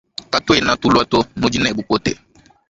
Katuena tulua to nudi ne bupote.